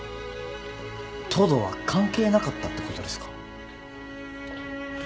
藤堂は関係なかったってことですか？